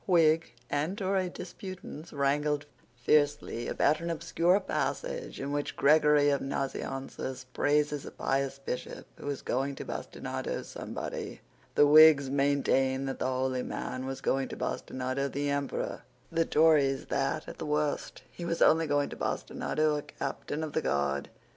Whig and Tory disputants wrangled fiercely about an obscure passage, in which Gregory of Nazianzus praises a pious Bishop who was going to bastinado somebody. The Whigs maintained that the holy man was going to bastinado the Emperor; the Tories that, at the worst, he was only going to bastinado a captain of the guard.